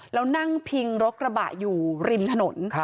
แล้วนั่งพิงรถกระบะอยู่ริมถนน